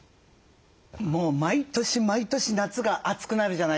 もう毎年毎年夏が暑くなるじゃないですか。